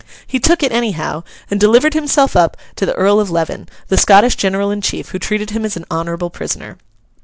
He took it, anyhow, and delivered himself up to the Earl of Leven, the Scottish general in chief, who treated him as an honourable prisoner.